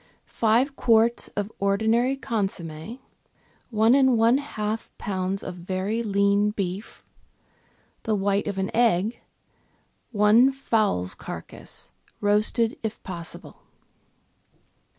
— Five quarts of ordinary consomm^, one and one half lbs. of very lean beef, the white of an egg, one fowl's carcase (roasted if possible).